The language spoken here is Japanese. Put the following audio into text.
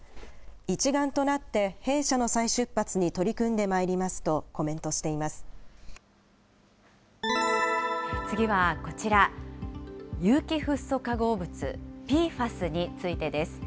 一丸となって弊社の再出発に取り組んでまいりますとコメントして次はこちら、有機フッ素化合物・ＰＦＡＳについてです。